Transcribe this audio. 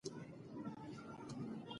که پاسورډ وي نو معلومات نه غلا کیږي.